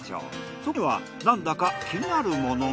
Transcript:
そこにはなんだか気になるものが。